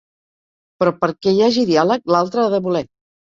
Però perquè hi hagi diàleg l’altre ha de voler.